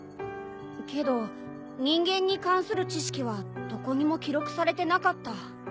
けど人間に関する知識はどこにも記録されてなかった。